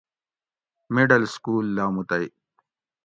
مڈل سکول لاموتئ